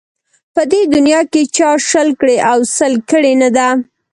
په دې دنیا کې چا شل کړي او سل کړي نه ده